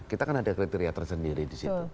kita kan ada kriteria tersendiri di situ